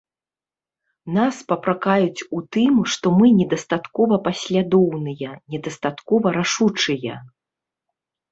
Нас папракаюць у тым, што мы недастаткова паслядоўныя, недастаткова рашучыя.